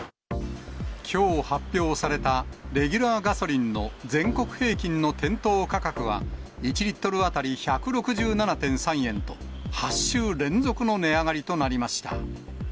きょう発表された、レギュラーガソリンの全国平均の店頭価格は、１リットル当たり１６７．３円と、８週連続の値上がりとなりました。